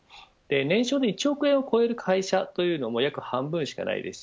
年商で１億円を超える会社というのも半分しかいません。